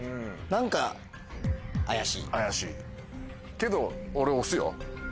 けど俺押すよ。